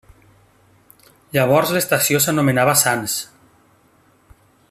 Llavors l'estació s'anomenava Sans.